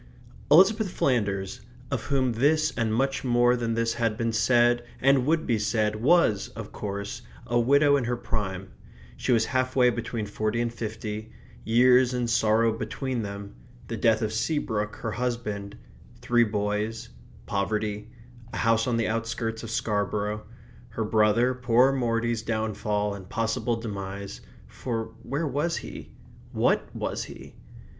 Elizabeth Flanders, of whom this and much more than this had been said and would be said, was, of course, a widow in her prime. She was half way between forty and fifty. Years and sorrow between them; the death of Seabrook, her husband; three boys; poverty; a house on the outskirts of Scarborough; her brother, poor Morty's, downfall and possible demise for where was he? what was he?